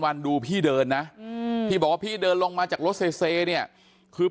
วันดูพี่เดินนะพี่บอกว่าพี่เดินลงมาจากรถเซเนี่ยคือ